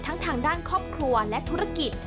ทางด้านครอบครัวและธุรกิจ